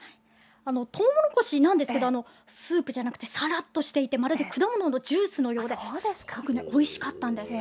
トウモロコシなんですけど、スープじゃなくて、さらっとしていて、まるで果物のジュースのようで、すごくおいしかったんです。